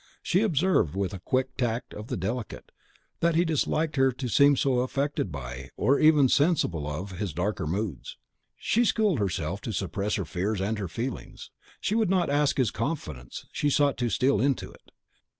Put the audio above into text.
She observed, with the quick tact of the delicate, that he disliked her to seem affected by, or even sensible of, his darker moods. She schooled herself to suppress her fears and her feelings. She would not ask his confidence, she sought to steal into it.